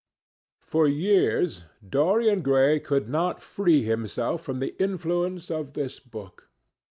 For years, Dorian Gray could not free himself from the influence of this book.